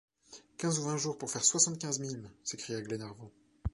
Quinze ou vingt jours pour faire soixante-quinze milles! s’écria Glenarvan.